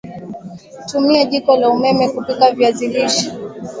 Tumia jiko la umeme kupika viazi lishe